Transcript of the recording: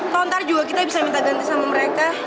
kalau ntar juga kita bisa minta ganti sama mereka